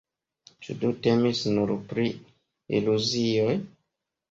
Ĉu do temis nur pri iluzioj?